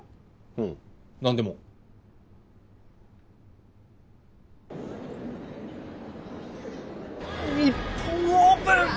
おう何でも日本オープン！